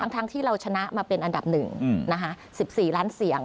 ทั้งที่เราชนะมาเป็นอันดับ๑๔ล้านเสียง